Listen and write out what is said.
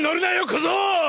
小僧！